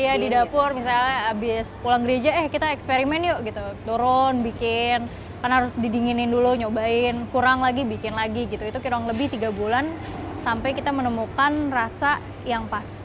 iya di dapur misalnya habis pulang gereja eh kita eksperimen yuk gitu turun bikin kan harus didinginin dulu nyobain kurang lagi bikin lagi gitu itu kurang lebih tiga bulan sampai kita menemukan rasa yang pas